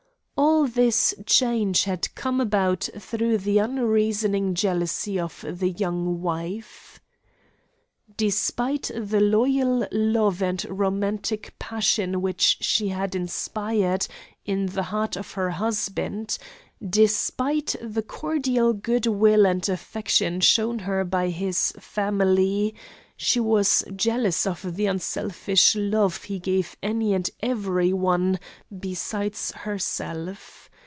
All this change had come about through the unreasoning jealousy of the young wife. Despite the loyal love and romantic passion which she had inspired in the heart of her husband; despite the cordial good will and affection shown her by his family, she was jealous of the unselfish love he gave any and every one besides herself.